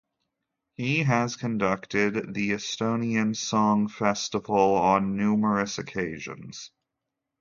He has conducted the Estonian Song Festival on numerous occasions.